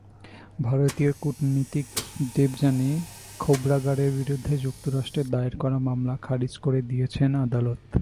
ভারতীয় কূটনীতিক দেবযানী খোবরাগাড়ের বিরুদ্ধে যুক্তরাষ্ট্রের দায়ের করা মামলা খারিজ করে দিয়েছেন আদালত।